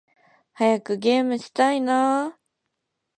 早くゲームしたいな〜〜〜